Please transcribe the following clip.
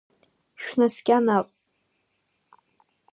Шәнаскьа наҟ!